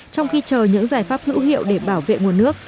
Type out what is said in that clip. trong khi chờ những giải pháp hữu hiệu để bảo vệ nguồn nước